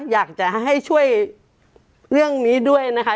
อยากจะให้ช่วยเรื่องนี้ด้วยนะคะ